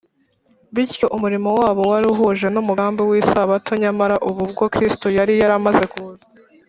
bityo umurimo wabo wari uhuje n’umugambi w’isabato nyamara ubu bwo kristo yari yaramaze kuza